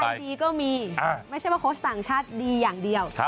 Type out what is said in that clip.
ดีก็มีไม่ใช่ว่าโค้ชต่างชาติดีอย่างเดียว